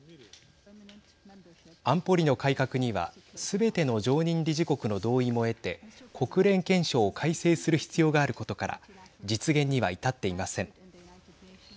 安保理の改革にはすべての常任理事国の同意も得て国連憲章を改正する必要があることから実現には至っていません。